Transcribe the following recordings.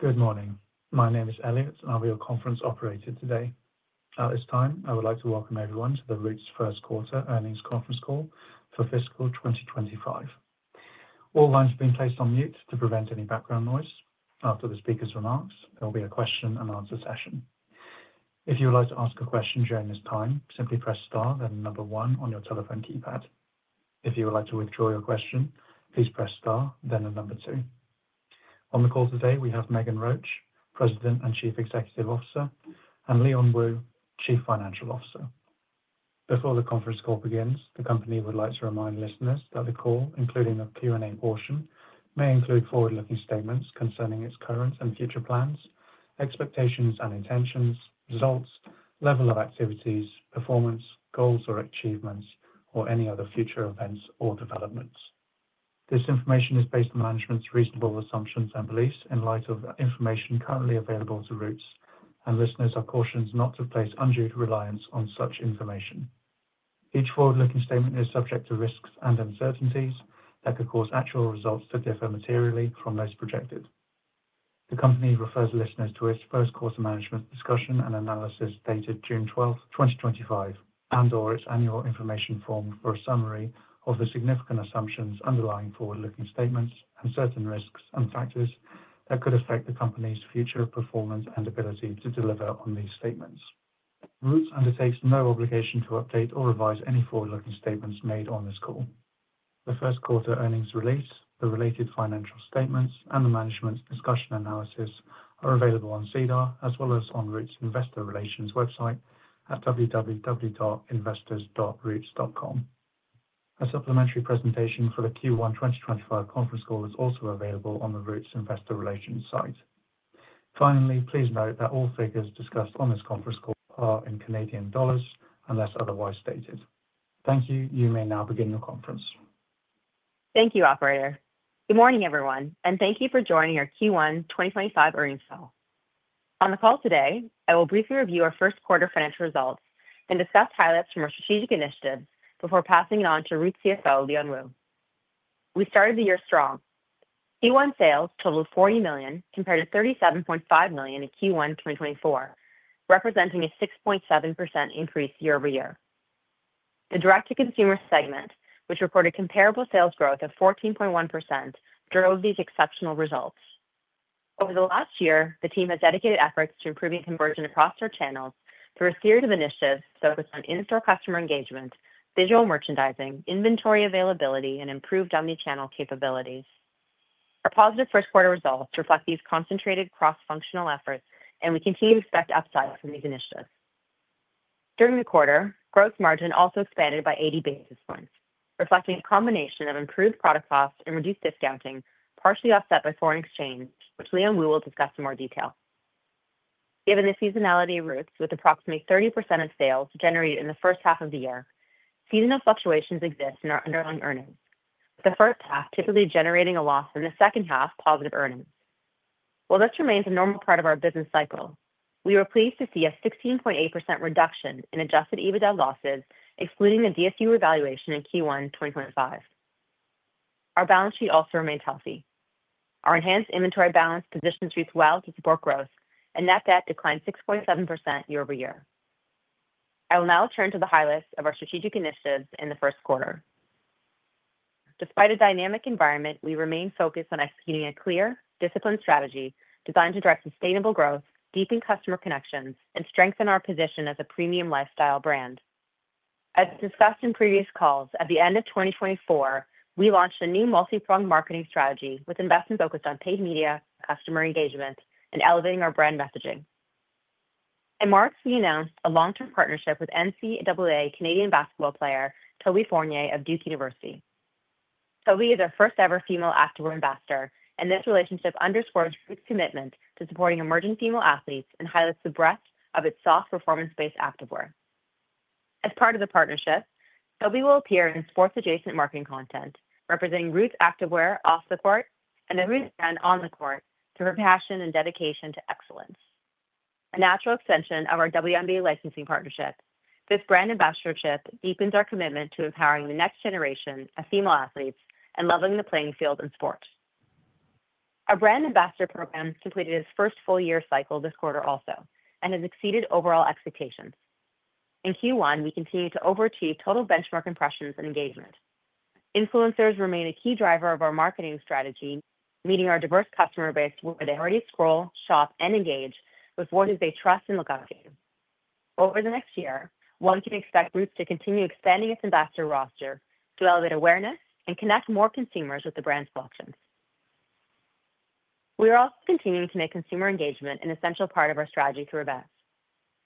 Good morning. My name is Elliot, and I'll be your conference operator today. At this time, I would like to welcome everyone to the Roots First Quarter Earnings Conference Call for Fiscal 2025. All lines have been placed on mute to prevent any background noise. After the speaker's remarks, there will be a question-and-answer session. If you would like to ask a question during this time, simply press star then the number one on your telephone keypad. If you would like to withdraw your question, please press star then the number two. On the call today, we have Megan Roach, President and Chief Executive Officer, and Leon Wu, Chief Financial Officer. Before the conference call begins, the company would like to remind listeners that the call, including the Q&A portion, may include forward-looking statements concerning its current and future plans, expectations and intentions, results, level of activities, performance, goals or achievements, or any other future events or developments. This information is based on management's reasonable assumptions and beliefs in light of information currently available to Roots, and listeners are cautioned not to place undue reliance on such information. Each forward-looking statement is subject to risks and uncertainties that could cause actual results to differ materially from those projected. The company refers listeners to its First Quarter Management discussion and analysis dated June 12th, 2025, and/or its annual information form for a summary of the significant assumptions underlying forward-looking statements and certain risks and factors that could affect the company's future performance and ability to deliver on these statements. Roots undertakes no obligation to update or revise any forward-looking statements made on this call. The first quarter earnings release, the related financial statements, and the management's discussion analysis are available on SEDAR, as well as on Roots Investor Relations website at www.investors.roots.com. A supplementary presentation for the Q1 2025 conference call is also available on the Roots Investor Relations site. Finally, please note that all figures discussed on this conference call are in CAD unless otherwise stated. Thank you. You may now begin your conference. Thank you, Operator. Good morning, everyone, and thank you for joining our Q1 2025 earnings call. On the call today, I will briefly review our first quarter financial results and discuss highlights from our strategic initiatives before passing it on to Roots CFO Leon Wu. We started the year strong. Q1 sales totaled 40 million compared to 37.5 million in Q1 2024, representing a 6.7% increase year-over-year. The direct-to-consumer segment, which reported comparable sales growth of 14.1%, drove these exceptional results. Over the last year, the team has dedicated efforts to improving conversion across our channels through a series of initiatives focused on in-store customer engagement, digital merchandising, inventory availability, and improved omnichannel capabilities. Our positive first quarter results reflect these concentrated cross-functional efforts, and we continue to expect upside from these initiatives. During the quarter, gross margin also expanded by 80 basis points, reflecting a combination of improved product costs and reduced discounting, partially offset by foreign exchange, which Leon Wu will discuss in more detail. Given the seasonality of Roots, with approximately 30% of sales generated in the first half of the year, seasonal fluctuations exist in our underlying earnings, with the first half typically generating a loss and the second half positive earnings. While this remains a normal part of our business cycle, we were pleased to see a 16.8% reduction in adjusted EBITDA losses, excluding the DSU revaluation in Q1 2025. Our balance sheet also remains healthy. Our enhanced inventory balance positions Roots well to support growth, and net debt declined 6.7% year-over-year. I will now turn to the highlights of our strategic initiatives in the first quarter. Despite a dynamic environment, we remain focused on executing a clear, disciplined strategy designed to drive sustainable growth, deepen customer connections, and strengthen our position as a premium lifestyle brand. As discussed in previous calls, at the end of 2024, we launched a new multi-pronged marketing strategy with investments focused on paid media, customer engagement, and elevating our brand messaging. In March, we announced a long-term partnership with NCAA Canadian basketball player Toby Fournier of Duke University. Toby is our first-ever female activewear ambassador, and this relationship underscores Roots' commitment to supporting emerging female athletes and highlights the breadth of its soft performance-based activewear. As part of the partnership, Toby will appear in sports-adjacent marketing content, representing Roots activewear off the court and the Roots brand on the court through her passion and dedication to excellence. A natural extension of our WNBA licensing partnership, this brand ambassadorship deepens our commitment to empowering the next generation of female athletes and leveling the playing field in sports. Our brand ambassador program completed its first full year cycle this quarter also and has exceeded overall expectations. In Q1, we continued to overachieve total benchmark impressions and engagement. Influencers remain a key driver of our marketing strategy, meeting our diverse customer base where they already scroll, shop, and engage with what they trust and look up to. Over the next year, one can expect Roots to continue expanding its ambassador roster to elevate awareness and connect more consumers with the brand's collections. We are also continuing to make consumer engagement an essential part of our strategy through events.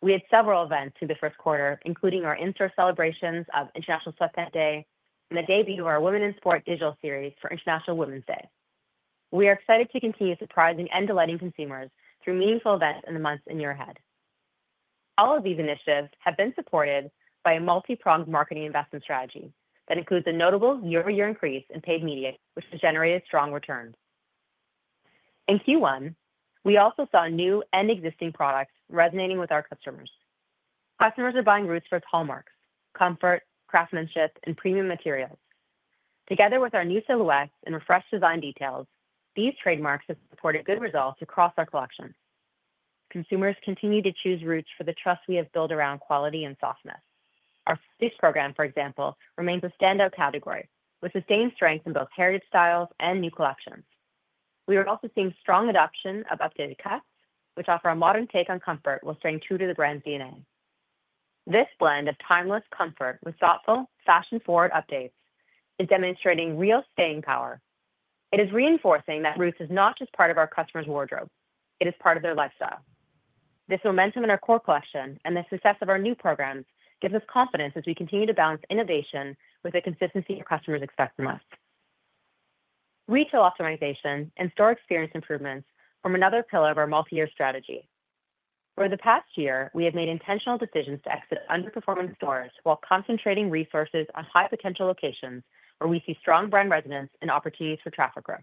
We had several events through the first quarter, including our in-store celebrations of International Sweatpant Day and the debut of our Women in Sport digital series for International Women's Day. We are excited to continue surprising and delighting consumers through meaningful events in the months and year ahead. All of these initiatives have been supported by a multi-pronged marketing investment strategy that includes a notable year-over-year increase in paid media, which has generated strong returns. In Q1, we also saw new and existing products resonating with our customers. Customers are buying Roots for its hallmarks: comfort, craftsmanship, and premium materials. Together with our new silhouettes and refreshed design details, these trademarks have supported good results across our collections. Consumers continue to choose Roots for the trust we have built around quality and softness. Our sleeves program, for example, remains a standout category, with sustained strength in both heritage styles and new collections. We are also seeing strong adoption of updated cuts, which offer a modern take on comfort while staying true to the brand's DNA. This blend of timeless comfort with thoughtful, fashion-forward updates is demonstrating real staying power. It is reinforcing that Roots is not just part of our customers' wardrobe; it is part of their lifestyle. This momentum in our core collection and the success of our new programs gives us confidence as we continue to balance innovation with the consistency our customers expect from us. Retail optimization and store experience improvements form another pillar of our multi-year strategy. Over the past year, we have made intentional decisions to exit underperforming stores while concentrating resources on high-potential locations where we see strong brand resonance and opportunities for traffic growth.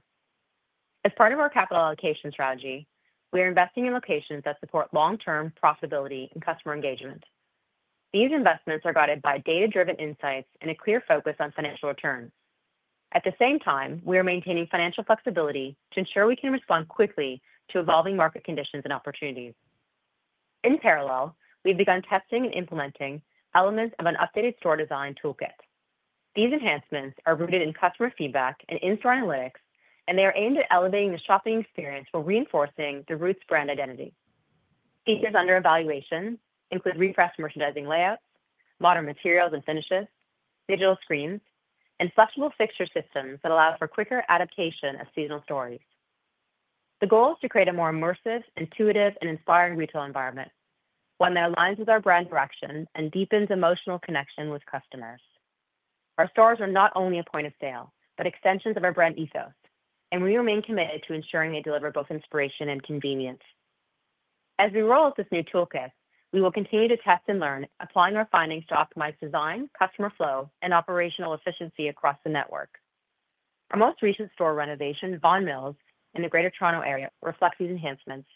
As part of our capital allocation strategy, we are investing in locations that support long-term profitability and customer engagement. These investments are guided by data-driven insights and a clear focus on financial returns. At the same time, we are maintaining financial flexibility to ensure we can respond quickly to evolving market conditions and opportunities. In parallel, we've begun testing and implementing elements of an updated store design toolkit. These enhancements are rooted in customer feedback and in-store analytics, and they are aimed at elevating the shopping experience while reinforcing the Roots brand identity. Features under evaluation include refreshed merchandising layouts, modern materials and finishes, digital screens, and flexible fixture systems that allow for quicker adaptation of seasonal stories. The goal is to create a more immersive, intuitive, and inspiring retail environment, one that aligns with our brand direction and deepens emotional connection with customers. Our stores are not only a point of sale but extensions of our brand ethos, and we remain committed to ensuring they deliver both inspiration and convenience. As we roll out this new toolkit, we will continue to test and learn, applying our findings to optimize design, customer flow, and operational efficiency across the network. Our most recent store renovation, Vaughan Mills, in the Greater Toronto Area, reflects these enhancements.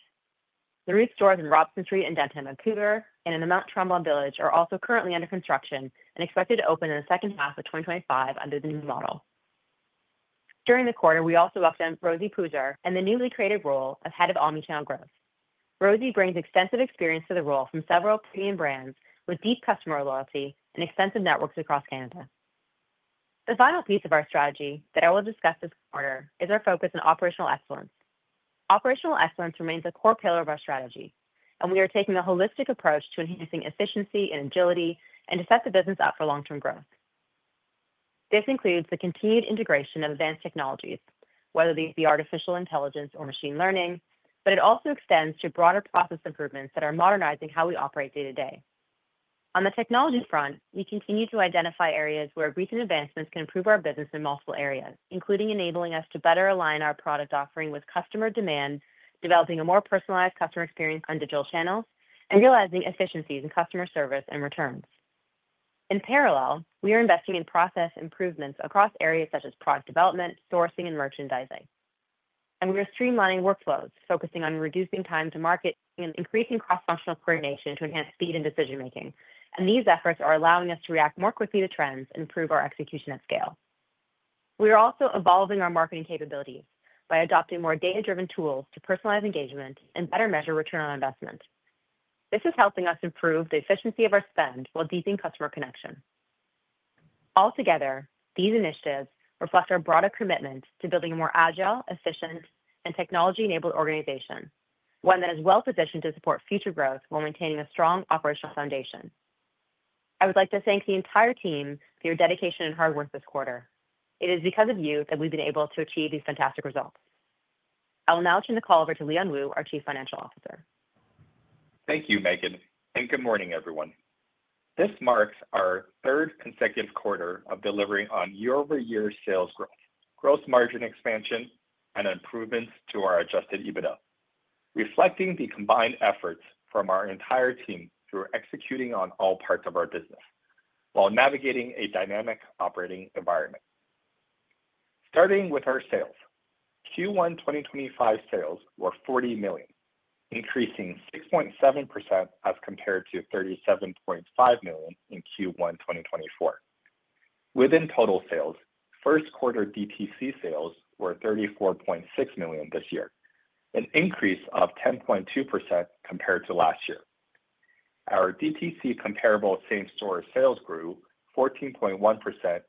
The Roots stores in Robson Street, Vancouver, and in the Mont Tremblant Village are also currently under construction and expected to open in the second half of 2025 under the new model. During the quarter, we also welcomed Rosie Pousser in the newly created role of Head of Omnichannel Growth. Rosie brings extensive experience to the role from several premium brands with deep customer loyalty and extensive networks across Canada. The final piece of our strategy that I will discuss this quarter is our focus on operational excellence. Operational excellence remains a core pillar of our strategy, and we are taking a holistic approach to enhancing efficiency and agility and to set the business up for long-term growth. This includes the continued integration of advanced technologies, whether these be artificial intelligence or machine learning, but it also extends to broader process improvements that are modernizing how we operate day to day. On the technology front, we continue to identify areas where recent advancements can improve our business in multiple areas, including enabling us to better align our product offering with customer demand, developing a more personalized customer experience on digital channels, and realizing efficiencies in customer service and returns. In parallel, we are investing in process improvements across areas such as product development, sourcing, and merchandising. We are streamlining workflows, focusing on reducing time to market and increasing cross-functional coordination to enhance speed and decision-making. These efforts are allowing us to react more quickly to trends and improve our execution at scale. We are also evolving our marketing capabilities by adopting more data-driven tools to personalize engagement and better measure return on investment. This is helping us improve the efficiency of our spend while deepening customer connection. Altogether, these initiatives reflect our broader commitment to building a more agile, efficient, and technology-enabled organization, one that is well-positioned to support future growth while maintaining a strong operational foundation. I would like to thank the entire team for your dedication and hard work this quarter. It is because of you that we've been able to achieve these fantastic results. I will now turn the call over to Leon Wu, our Chief Financial Officer. Thank you, Megan. Good morning, everyone. This marks our third consecutive quarter of delivering on year-over-year sales growth, gross margin expansion, and improvements to our adjusted EBITDA, reflecting the combined efforts from our entire team through executing on all parts of our business while navigating a dynamic operating environment. Starting with our sales, Q1 2025 sales were 40 million, increasing 6.7% as compared to 37.5 million in Q1 2024. Within total sales, first quarter DTC sales were 34.6 million this year, an increase of 10.2% compared to last year. Our DTC comparable same-store sales grew 14.1%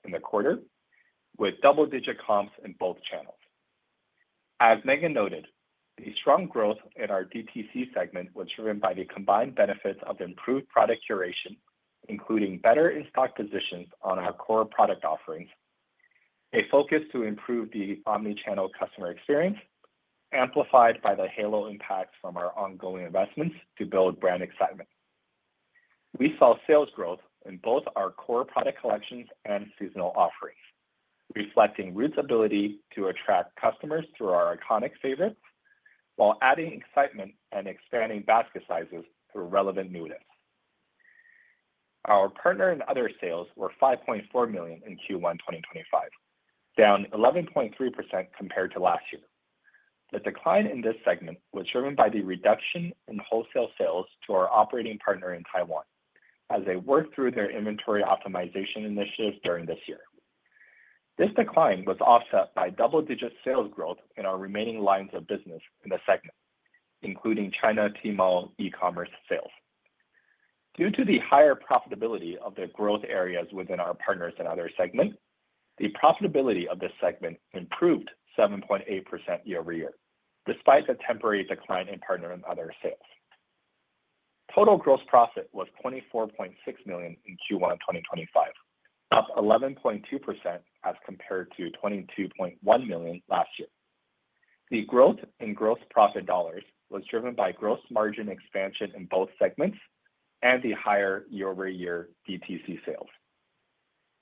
in the quarter, with double-digit comps in both channels. As Megan noted, the strong growth in our DTC segment was driven by the combined benefits of improved product curation, including better in-stock positions on our core product offerings, a focus to improve the omnichannel customer experience, amplified by the halo impacts from our ongoing investments to build brand excitement. We saw sales growth in both our core product collections and seasonal offerings, reflecting Roots' ability to attract customers through our iconic favorites while adding excitement and expanding basket sizes through relevant new hits. Our partner and other sales were 5.4 million in Q1 2025, down 11.3% compared to last year. The decline in this segment was driven by the reduction in wholesale sales to our operating partner in Taiwan as they worked through their inventory optimization initiatives during this year. This decline was offset by double-digit sales growth in our remaining lines of business in the segment, including China Tmall e-commerce sales. Due to the higher profitability of the growth areas within our partners and other segments, the profitability of this segment improved 7.8% year-over-year, despite the temporary decline in partner and other sales. Total gross profit was 24.6 million in Q1 2025, up 11.2% as compared to 22.1 million last year. The growth in gross profit dollars was driven by gross margin expansion in both segments and the higher year-over-year DTC sales.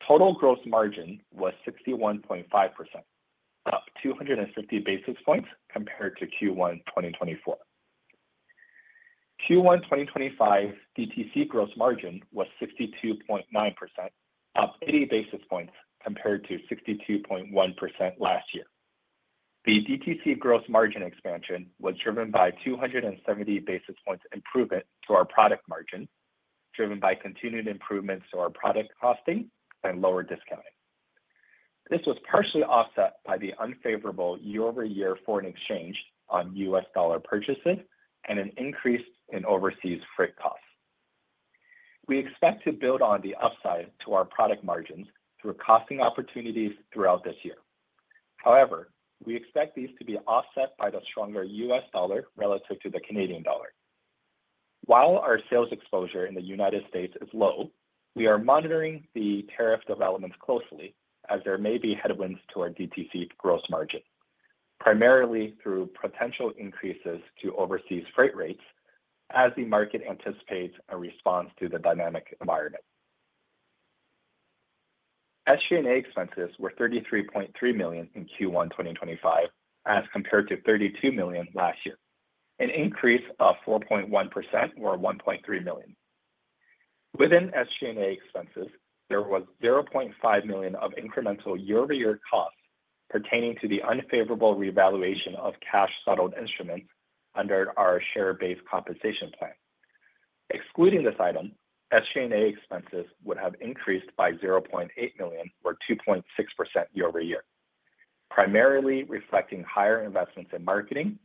Total gross margin was 61.5%, up 250 basis points compared to Q1 2024. Q1 2025 DTC gross margin was 62.9%, up 80 basis points compared to 62.1% last year. The DTC gross margin expansion was driven by 270 basis points improvement to our product margin, driven by continued improvements to our product costing and lower discounting. This was partially offset by the unfavorable year-over-year foreign exchange on U.S. dollar purchases and an increase in overseas freight costs. We expect to build on the upside to our product margins through costing opportunities throughout this year. However, we expect these to be offset by the stronger U.S. dollar relative to the Canadian dollar. While our sales exposure in the United States is low, we are monitoring the tariff developments closely as there may be headwinds to our DTC gross margin, primarily through potential increases to overseas freight rates as the market anticipates a response to the dynamic environment. SG&A expenses were 33.3 million in Q1 2025 as compared to 32 million last year, an increase of 4.1% or 1.3 million. Within SG&A expenses, there was 0.5 million of incremental year-over-year costs pertaining to the unfavorable revaluation of cash-settled instruments under our share-based compensation plan. Excluding this item, SG&A expenses would have increased by 0.8 million or 2.6% year-over-year, primarily reflecting higher investments in marketing,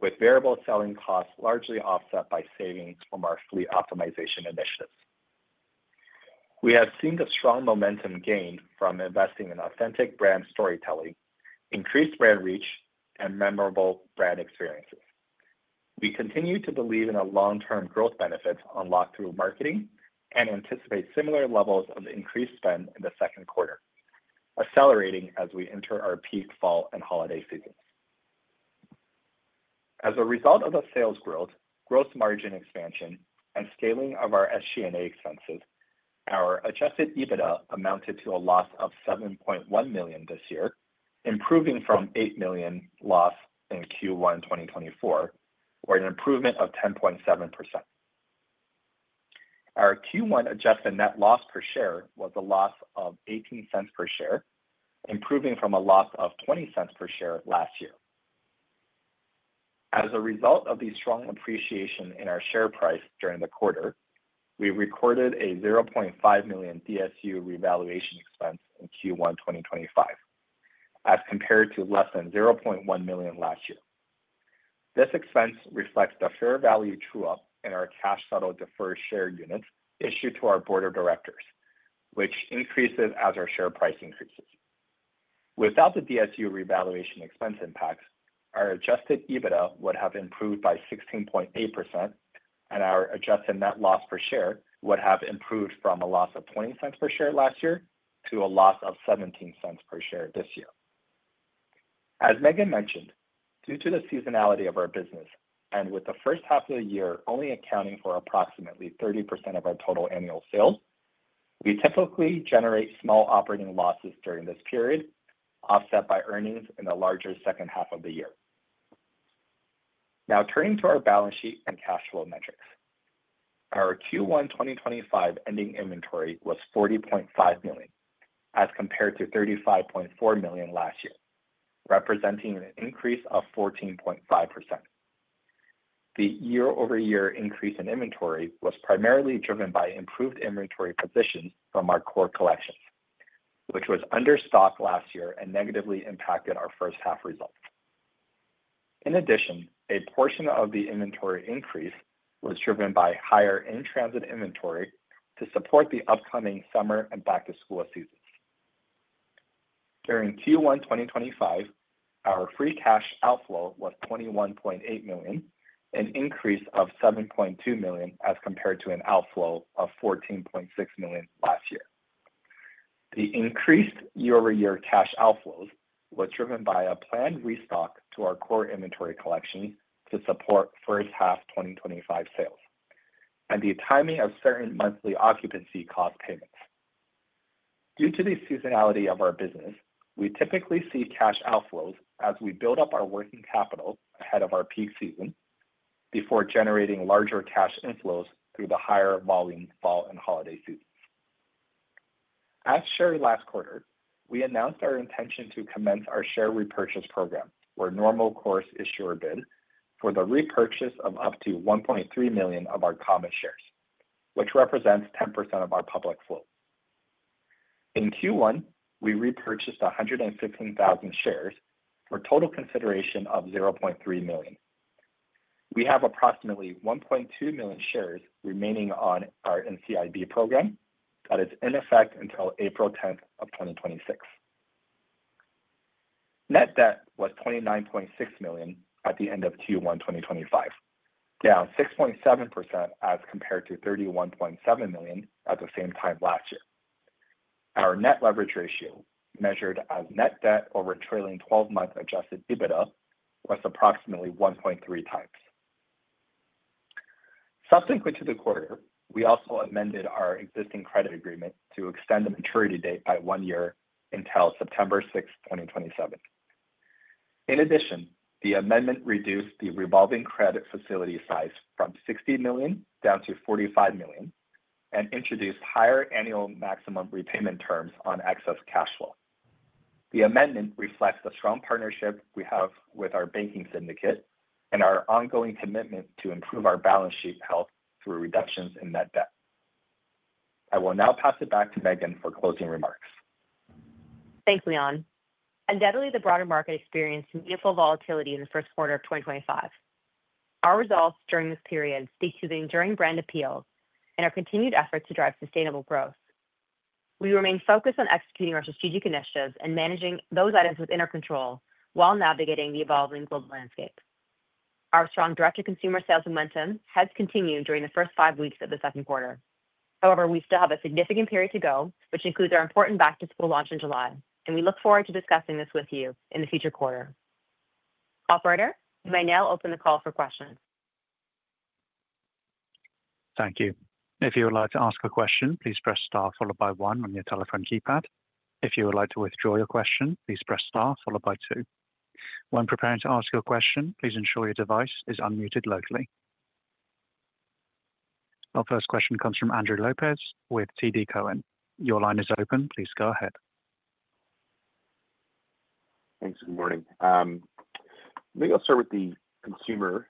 with variable selling costs largely offset by savings from our fleet optimization initiatives. We have seen the strong momentum gained from investing in authentic brand storytelling, increased brand reach, and memorable brand experiences. We continue to believe in the long-term growth benefits unlocked through marketing and anticipate similar levels of increased spend in the second quarter, accelerating as we enter our peak fall and holiday seasons. As a result of the sales growth, gross margin expansion, and scaling of our SG&A expenses, our adjusted EBITDA amounted to a loss of 7.1 million this year, improving from a 8 million loss in Q1 2024, or an improvement of 10.7%. Our Q1 adjusted net loss per share was a loss of 0.18 per share, improving from a loss of 0.20 per share last year. As a result of the strong appreciation in our share price during the quarter, we recorded a 0.5 million DSU revaluation expense in Q1 2025, as compared to less than 0.1 million last year. This expense reflects the fair value true-up in our cash-settled deferred share units issued to our board of directors, which increases as our share price increases. Without the DSU revaluation expense impacts, our adjusted EBITDA would have improved by 16.8%, and our adjusted net loss per share would have improved from a loss of 0.20 per share last year to a loss of 0.17 per share this year. As Megan mentioned, due to the seasonality of our business and with the first half of the year only accounting for approximately 30% of our total annual sales, we typically generate small operating losses during this period, offset by earnings in the larger second half of the year. Now turning to our balance sheet and cash flow metrics, our Q1 2025 ending inventory was 40.5 million as compared to 35.4 million last year, representing an increase of 14.5%. The year-over-year increase in inventory was primarily driven by improved inventory positions from our core collections, which was understocked last year and negatively impacted our first half results. In addition, a portion of the inventory increase was driven by higher in-transit inventory to support the upcoming summer and back-to-school seasons. During Q1 2025, our free cash outflow was 21.8 million, an increase of 7.2 million as compared to an outflow of 14.6 million last year. The increased year-over-year cash outflows were driven by a planned restock to our core inventory collections to support first half 2025 sales and the timing of certain monthly occupancy cost payments. Due to the seasonality of our business, we typically see cash outflows as we build up our working capital ahead of our peak season before generating larger cash inflows through the higher volume fall and holiday seasons. As shared last quarter, we announced our intention to commence our share repurchase program, or normal course issuer bid, for the repurchase of up to 1.3 million of our common shares, which represents 10% of our public float. In Q1, we repurchased 115,000 shares for total consideration of 0.3 million. We have approximately 1.2 million shares remaining on our NCIB program that is in effect until April 10th of 2026. Net debt was 29.6 million at the end of Q1 2025, down 6.7% as compared to 31.7 million at the same time last year. Our net leverage ratio, measured as net debt over trailing 12-month adjusted EBITDA, was approximately 1.3 times. Subsequent to the quarter, we also amended our existing credit agreement to extend the maturity date by one year until September 6th, 2027. In addition, the amendment reduced the revolving credit facility size from 60 million down to 45 million and introduced higher annual maximum repayment terms on excess cash flow. The amendment reflects the strong partnership we have with our banking syndicate and our ongoing commitment to improve our balance sheet health through reductions in net debt. I will now pass it back to Megan for closing remarks. Thanks, Leon. Undoubtedly, the broader market experienced meaningful volatility in the first quarter of 2025. Our results during this period speak to the enduring brand appeal and our continued efforts to drive sustainable growth. We remain focused on executing our strategic initiatives and managing those items within our control while navigating the evolving global landscape. Our strong direct-to-consumer sales momentum has continued during the first five weeks of the second quarter. However, we still have a significant period to go, which includes our important back-to-school launch in July, and we look forward to discussing this with you in the future quarter. Operator, you may now open the call for questions. Thank you. If you would like to ask a question, please press star followed by one on your telephone keypad. If you would like to withdraw your question, please press star followed by two. When preparing to ask your question, please ensure your device is unmuted locally. Our first question comes from Andrew Lopez with TD Cowen. Your line is open. Please go ahead. Thanks. Good morning. Maybe I'll start with the consumer.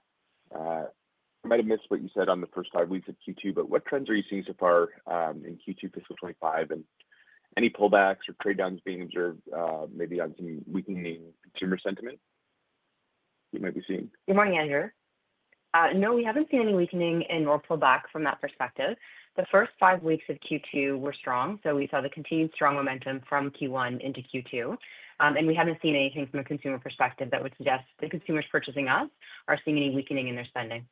I might have missed what you said on the first five weeks of Q2, but what trends are you seeing so far in Q2 fiscal 2025? Any pullbacks or trade downs being observed, maybe on some weakening consumer sentiment you might be seeing? Good morning, Andrew. No, we have not seen any weakening and/or pullback from that perspective. The first five weeks of Q2 were strong, so we saw the continued strong momentum from Q1 into Q2. We have not seen anything from a consumer perspective that would suggest the consumers purchasing us are seeing any weakening in their spending.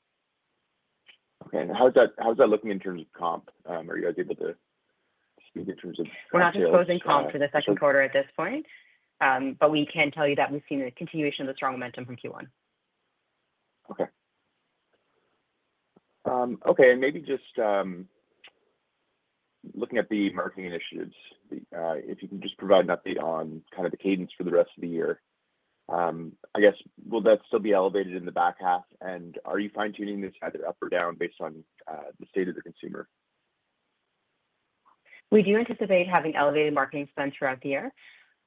Okay. How's that looking in terms of comp? Are you guys able to speak in terms of? We're not exposing comp for the second quarter at this point, but we can tell you that we've seen the continuation of the strong momentum from Q1. Okay. Okay. Maybe just looking at the marketing initiatives, if you can just provide an update on kind of the cadence for the rest of the year. I guess, will that still be elevated in the back half? Are you fine-tuning this either up or down based on the state of the consumer? We do anticipate having elevated marketing spend throughout the year.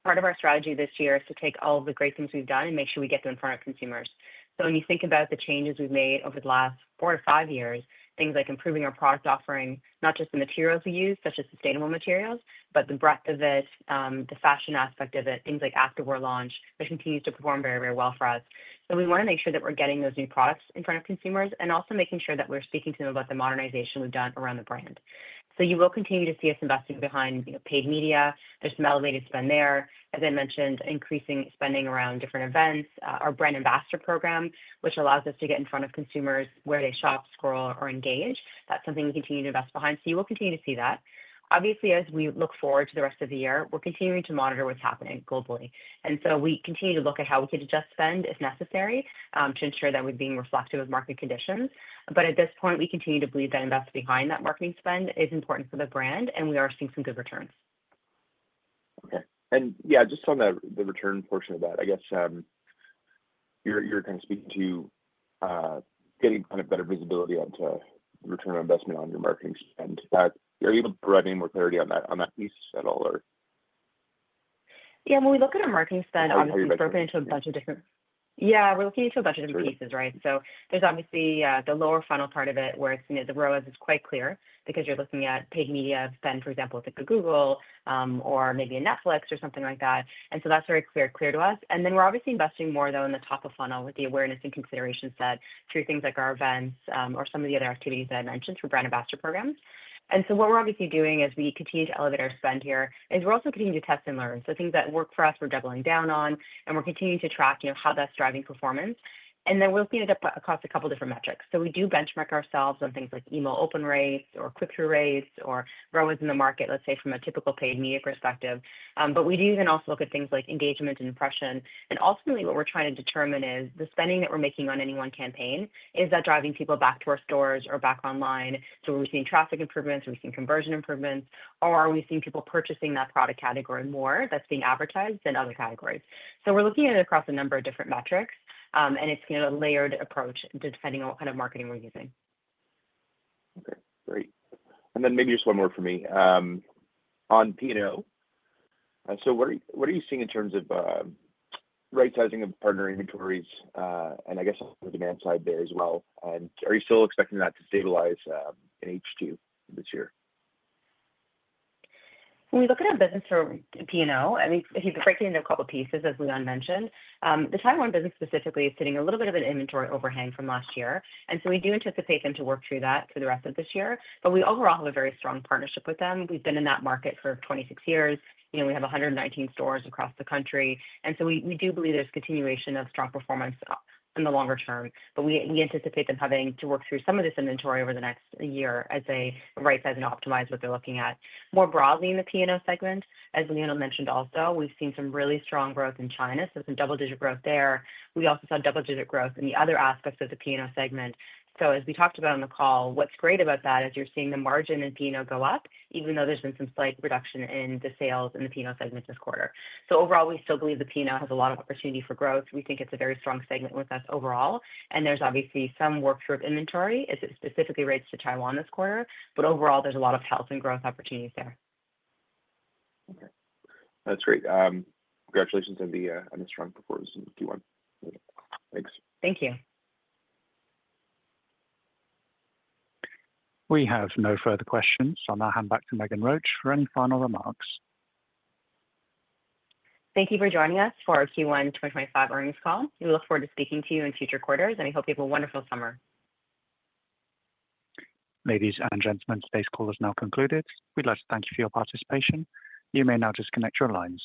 Part of our strategy this year is to take all of the great things we've done and make sure we get them in front of consumers. When you think about the changes we've made over the last four to five years, things like improving our product offering, not just the materials we use, such as sustainable materials, but the breadth of it, the fashion aspect of it, things like activewear launch, which continues to perform very, very well for us. We want to make sure that we're getting those new products in front of consumers and also making sure that we're speaking to them about the modernization we've done around the brand. You will continue to see us investing behind paid media. There's some elevated spend there. As I mentioned, increasing spending around different events, our brand ambassador program, which allows us to get in front of consumers where they shop, scroll, or engage. That is something we continue to invest behind. You will continue to see that. Obviously, as we look forward to the rest of the year, we are continuing to monitor what is happening globally. We continue to look at how we could adjust spend if necessary to ensure that we are being reflective of market conditions. At this point, we continue to believe that investing behind that marketing spend is important for the brand, and we are seeing some good returns. Okay. Yeah, just on the return portion of that, I guess you were kind of speaking to getting kind of better visibility onto return on investment on your marketing spend. Are you able to provide any more clarity on that piece at all, or? Yeah. When we look at our marketing spend, obviously, we're looking into a bunch of different pieces, right? There's obviously the lower funnel part of it where the ROAS is quite clear because you're looking at paid media spend, for example, if it's a Google or maybe a Netflix or something like that. That's very clear to us. We're obviously investing more, though, in the top of funnel with the awareness and consideration set through things like our events or some of the other activities that I mentioned through brand ambassador programs. What we're obviously doing as we continue to elevate our spend here is we're also continuing to test and learn. Things that work for us, we're doubling down on, and we're continuing to track how that's driving performance. We are looking at it across a couple of different metrics. We do benchmark ourselves on things like email open rates or click-through rates or ROAS in the market, let's say, from a typical paid media perspective. We do then also look at things like engagement and impression. Ultimately, what we are trying to determine is the spending that we are making on any one campaign, is that driving people back to our stores or back online? Are we seeing traffic improvements? Are we seeing conversion improvements? Are we seeing people purchasing that product category more that is being advertised than other categories? We are looking at it across a number of different metrics, and it is a layered approach depending on what kind of marketing we are using. Okay. Great. Maybe just one more for me on P&O. What are you seeing in terms of right-sizing of partner inventories and I guess on the demand side there as well? Are you still expecting that to stabilize in H2 this year? When we look at our business for P&O, I mean, if you break it into a couple of pieces, as Leon mentioned, the Taiwan business specifically is sitting a little bit of an inventory overhang from last year. We do anticipate them to work through that for the rest of this year. We overall have a very strong partnership with them. We have been in that market for 26 years. We have 119 stores across the country. We do believe there is continuation of strong performance in the longer term. We anticipate them having to work through some of this inventory over the next year as they right-size and optimize what they are looking at. More broadly in the P&O segment, as Leon mentioned also, we have seen some really strong growth in China. Some double-digit growth there. We also saw double-digit growth in the other aspects of the P&O segment. As we talked about on the call, what's great about that is you're seeing the margin in P&O go up, even though there's been some slight reduction in the sales in the P&O segment this quarter. Overall, we still believe the P&O has a lot of opportunity for growth. We think it's a very strong segment with us overall. There's obviously some work through of inventory as it specifically relates to Taiwan this quarter. Overall, there's a lot of health and growth opportunities there. Okay. That's great. Congratulations on the strong performance in Q1. Thanks. Thank you. We have no further questions. I'll now hand back to Megan Roach for any final remarks. Thank you for joining us for our Q1 2025 earnings call. We look forward to speaking to you in future quarters, and we hope you have a wonderful summer. Ladies and gentlemen, today's call has now concluded. We'd like to thank you for your participation. You may now disconnect your lines.